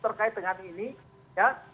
terkait dengan ini ya